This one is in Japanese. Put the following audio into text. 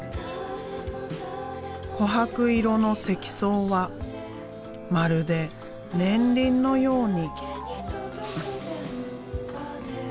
こはく色の積層はまるで年輪のように。